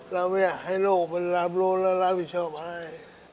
เราไม่อยากให้โลกมันรับโลกแล้วราบผิดเชียวภาย